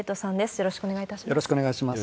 よろしくお願いします。